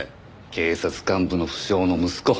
警察幹部の不肖の息子。